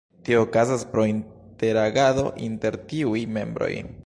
Tio okazas pro interagado inter tiuj membroj.